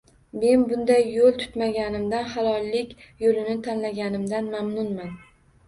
Men bunday yoʻl tutmaganimdan, halollik yoʻlini tanlaganimdan mamnunman